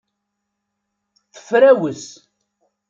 Tefrawes.